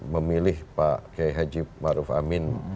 memilih pak keihajim ma'ruf amin